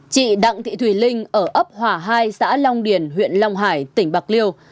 chị đặng thị thùy linh ở ấp hòa hai xã long điền huyện long hải tỉnh bạc liêu